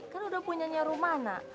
kan udah punya nyaru mana